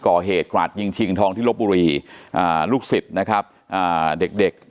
ก่อเหตุกราดยิงชิงทองที่ลบบุรีลูกศิษย์นะครับอ่าเด็กเด็ก